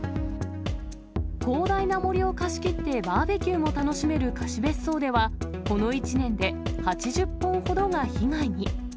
広大な森を貸し切ってバーベキューも楽しめる貸別荘では、この１年で、８０本ほどが被害に。